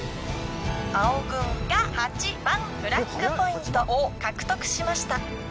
青軍が８番フラッグポイントを獲得しました。